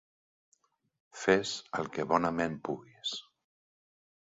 Fes el que bonament puguis.